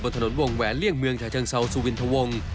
บนถนนวงแหวนเลี่ยงเมืองชาเชิงเศร้าศูวินทวง